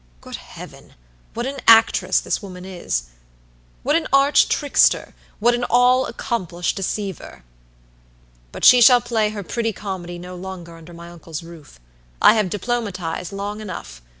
Good Heaven! what an actress this woman is. What an arch tricksterwhat an all accomplished deceiver. But she shall play her pretty comedy no longer under my uncle's roof. I have diplomatized long enough.